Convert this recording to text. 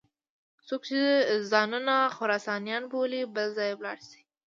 څوک چې ځانونه خراسانیان بولي بل ځای ولاړ شي.